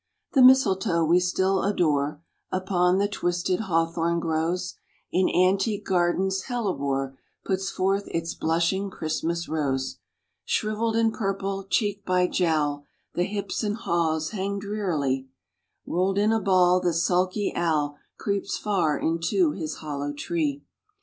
The mistletoe we still adore Upon the twisted hawthorn grows: In antique gardens hellebore Puts forth its blushing Christmas rose. Shrivell'd and purple, cheek by jowl, The hips and haws hang drearily; Roll'd in a ball the sulky owl Creeps far into his hollow tree.